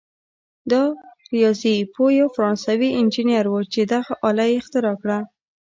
دا ریاضي پوه یو فرانسوي انجنیر وو چې دغه آله یې اختراع کړه.